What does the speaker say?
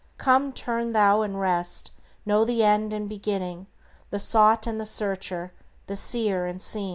Come, turn thou and rest; know the end and beginning, The sought and the searcher, the seer and seen.